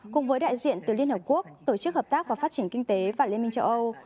cùng với đại diện từ liên hợp quốc tổ chức hợp tác và phát triển kinh tế và liên minh châu âu